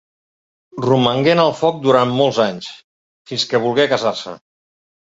Romangué en el foc durant molts anys, fins que volgué casar-se.